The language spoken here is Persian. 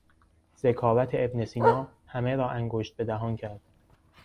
ذکاوت ابن سینا همه را انگشت به دهان کرد.